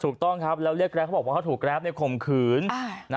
ถูกต้องครับแล้วเรียกแกรปเขาบอกว่าเขาถูกแรปข่มขืน